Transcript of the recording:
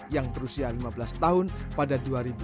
yang berusia lima belas tahun pada dua ribu dua puluh empat